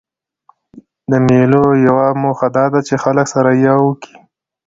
د مېلو یوه موخه دا ده، چي خلک سره یو کي.